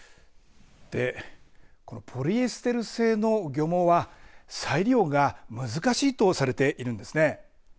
このポリエステル製の漁網は再利用が難しいとされているんですね。